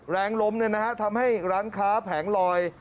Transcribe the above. แรงล้มทำให้ร้านค้าแผงลอย